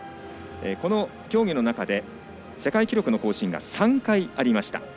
この競技の中で世界記録の更新が３回ありました。